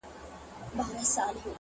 راڅخه زړه وړي رانه ساه وړي څوك،